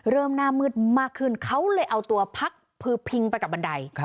เริ่มหน้ามืดมากขึ้นเขาเลยเอาตัวพักพึ่งไปกับบันได